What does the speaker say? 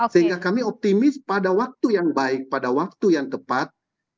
sehingga kami optimis pada waktu yang baik pada waktu yang tepat